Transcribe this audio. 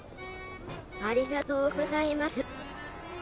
ありがとうございます。